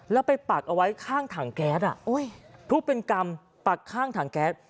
แล้วไปปักเอาไว้ข้างถังแก๊สทุบเป็นกรรมปักข้างถังแก๊ส